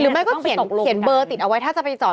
แม่ก็เขียนเบอร์ติดเอาไว้ถ้าจะไปจอด